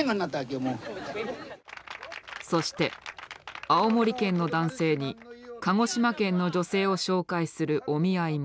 そして青森県の男性に鹿児島県の女性を紹介するお見合いも。